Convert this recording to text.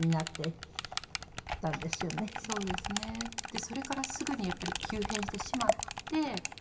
でそれからすぐにやっぱり急変してしまって。